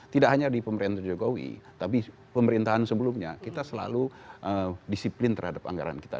tidak hanya di pemerintah jokowi tapi pemerintahan sebelumnya kita selalu disiplin terhadap anggaran kita